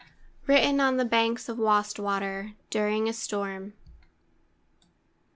WRITTEN ON THE BANKS OF WASTWATER, DURING A STORM.